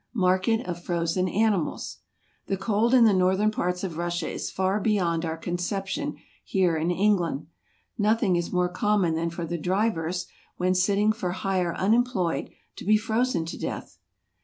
Market of f rozen Animals . The cold in the northern parts of Russia is far beyond our conception here in England. No¬ thing is more common than for the drivers, when sitting for hire unemployed, to be frozen to death.